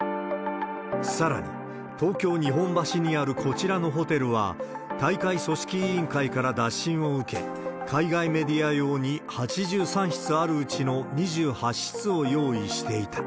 さらに、東京・日本橋にあるこちらのホテルは大会組織委員会から打診を受け、海外メディア用に８３室あるうちの２８室を用意していた。